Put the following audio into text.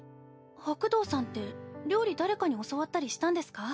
白道さんって料理誰かに教わったりしたんですか？